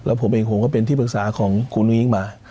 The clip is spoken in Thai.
ผมเองผมก็เป็นที่ปรึกษาของคุณอุ้งมา